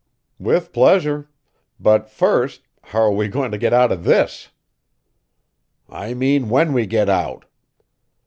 "With pleasure. But, first, how are we going to get out of this?" "I mean, when we get out."